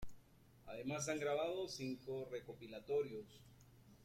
Además han grabado cinco recopilatorios.